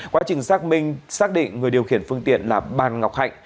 quá trình xác minh xác định người điều khiển phương tiện là bàn ngọc hạnh